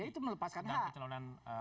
ya itu melepaskan hak